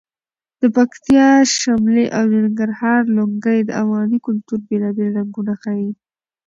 د پکتیا شملې او د ننګرهار لنګۍ د افغاني کلتور بېلابېل رنګونه ښیي.